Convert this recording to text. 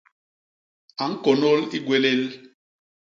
A ñkônôl i gwélél.